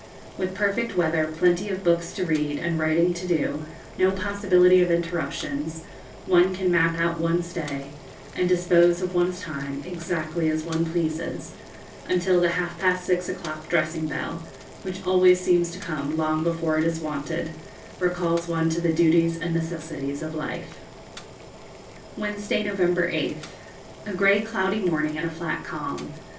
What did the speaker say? With perfect weather, plenty of books to read and writing to do, no possibility of interruptions, one can map out one's day and dispose of one's time exactly as one pleases, until the half past six o'clock dressing bell which always seems to come long before it is wanted recalls one to the duties and necessities of life. [Illustration: Conversation at Sea.] Wednesday, November 8th. A grey cloudy morning and a flat calm.